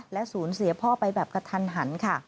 และสูญเสียพ่อไปแบบกระทันหันค่ะ